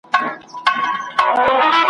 چي دا ټوله د دوستانو برکت دی `